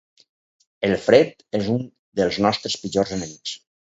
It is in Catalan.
El fred és un dels nostres pitjors enemics.